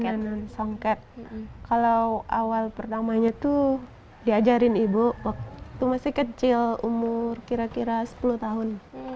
tenun songket kalau awal pertamanya tuh diajarin ibu waktu masih kecil umur kira kira sepuluh tahun